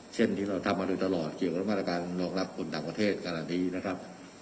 เช่นที่เราทำมาโดยตลอดเกี่ยวกับมาตรการรองรับคนต่างประเทศขนาดนี้นะครับ